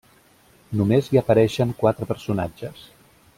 Només hi apareixen quatre personatges: